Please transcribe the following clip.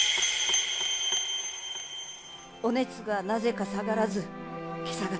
お熱がなぜか下がらず今朝方。